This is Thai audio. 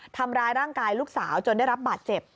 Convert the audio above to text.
ทำร้ายร่างกายลูกสาวจนได้รับบาดเจ็บ